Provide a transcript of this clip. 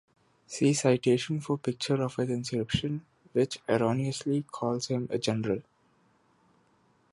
See citation for picture of its inscription, which erroneously calls him a general.